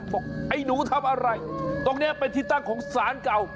บอกไอ้หนูทำอะไรตรงนี้เป็นที่ตั้งของสารเก่า